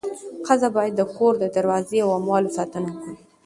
ښځه باید د کور د دروازې او اموالو ساتنه وکړي.